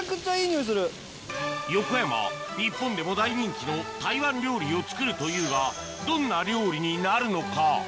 横山日本でも大人気の台湾料理を作るというがどんな料理になるのか？